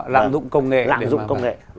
lạm dụng công nghệ